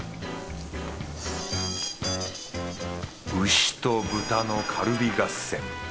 牛と豚のカルビ合戦。